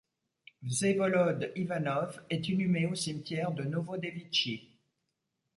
Vsevolod Ivanov est inhumé au cimetière de Novodevitchi.